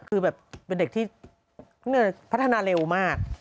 คือแบบเป็นเด็กที่พัฒนาเร็วมาก